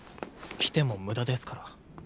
来ても無駄ですから。